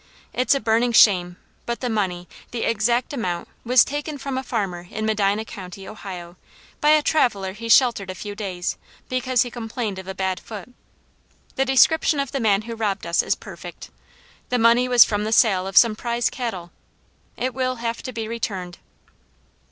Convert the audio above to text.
"It's a burning shame, but the money, the exact amount, was taken from a farmer in Medina County, Ohio, by a traveller he sheltered a few days, because he complained of a bad foot. The description of the man who robbed us is perfect. The money was from the sale of some prize cattle. It will have to be returned."